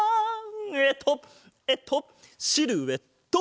えっとえっとシルエット！